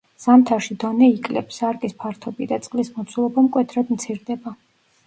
ზამთარში დონე იკლებს, სარკის ფართობი და წყლის მოცულობა მკვეთრად მცირდება.